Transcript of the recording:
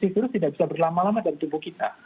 intra virus tidak bisa lama lama di tubuh kita